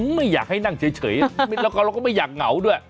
ไม่อยากให้นั่งเฉยแล้วก็เราก็ไม่อยากเหงาด้วย